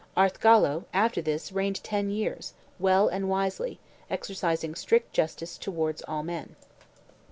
Arthgallo after this reigned ten years, well and wisely, exercising strict justice towards all men.